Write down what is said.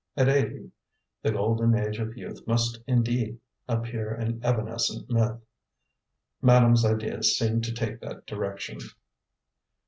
At eighty the golden age of youth must indeed appear an evanescent myth. Madame's ideas seemed to take that direction.